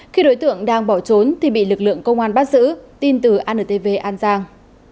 khi đối tượng đang bỏ trốn thì bị lực lượng công an bắt giữ tin từ antv an giang